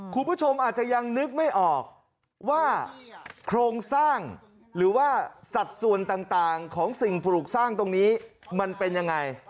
คุณผู้ชมอาจจะยังนึกไม่ออกว่าโครงสร้างหรือว่าสัดส่วนต่างของสิ่งปลูกสร้างตรงนี้มันเป็นยังไง